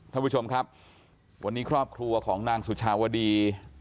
ท่านผู้ชมครับวันนี้ครอบครัวของนางสุชาวดี